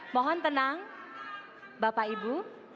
mohon tenang bapak ibu